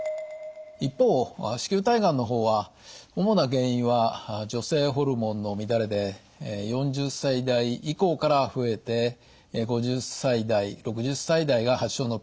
一方子宮体がんの方は主な原因は女性ホルモンの乱れで４０歳代以降から増えて５０歳代６０歳代が発症のピークとなります。